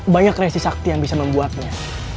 banyak resi sakti yang bisa membuatnya